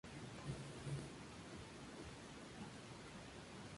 El mercado se ha conservado prácticamente intacto hasta nuestros días.